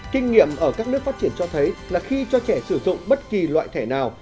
kinh nghiệm ở các nước phát triển cho thấy là khi cho trẻ sử dụng bất kỳ loại thẻ nào